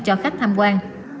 cho khách tham quan